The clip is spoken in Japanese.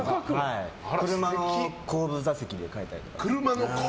車の後部座席で書いたりとか。